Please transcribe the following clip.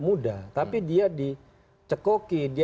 muda tapi dia dicekoki